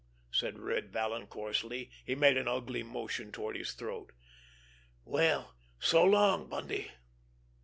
said Red Vallon coarsely. He made an ugly motion toward his throat. "Well, so long, Bundy!"